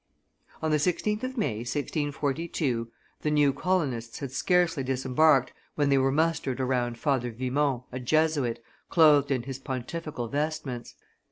On the 16th of May, 1642, the new colonists had scarcely disembarked when they were mustered around Father Vimont, a Jesuit, clothed in his pontifical vestments.